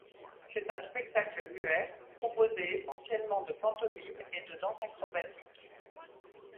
C'est un spectacle muet, composé essentiellement de pantomime et de danse acrobatique.